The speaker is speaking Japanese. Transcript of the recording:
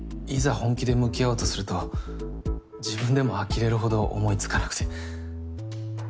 本気で向き合おうとすると自分でもあきれるほど思いつかなくて。